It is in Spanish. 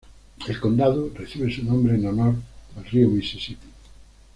El condado recibe su nombre en honor al río Misisipi.